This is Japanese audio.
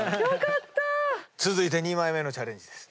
続いて２枚目のチャレンジです。